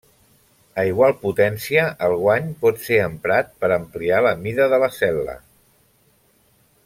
A igual potència el guany pot ser emprat per ampliar la mida de la cel·la.